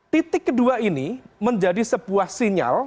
titik kedua ini menjadi sebuah sinyal